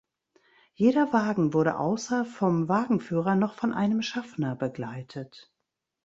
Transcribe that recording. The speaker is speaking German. Jeder Wagen wurde außer vom Wagenführer noch von einem Schaffner begleitet.